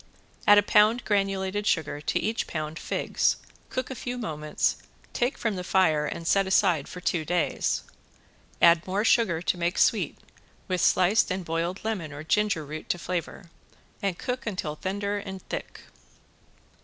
Add a pound granulated sugar to each pound figs, cook a few moments, take from the fire and set aside for two days. Add more sugar to make sweet, with sliced and boiled lemon or ginger root to flavor, and cook until tender and thick.